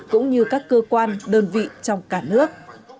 cũng như các cơ quan đơn vị trong cả nước